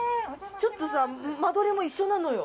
ちょっと間取りも一緒なのよ。